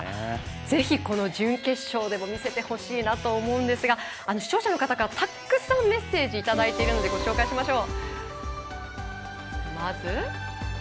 ぜひ、この準決勝でも見せてほしいなと思うんですが視聴者の方からたくさんメッセージいただいているのでご紹介しましょう。